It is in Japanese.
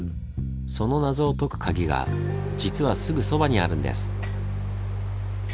その謎を解くカギが実はすぐそばにあるんです。